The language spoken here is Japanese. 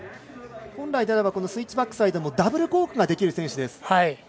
本来であればスイッチバックサイドのダブルコークができる選手です。